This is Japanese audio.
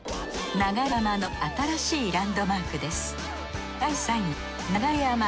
流山の新しいランドマークです